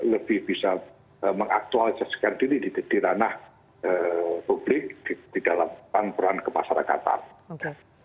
lebih bisa mengaktualisasikan diri di ranah publik di dalam pangkuran kemasyarakatan